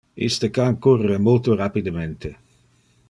Iste can curre multo rapidemente.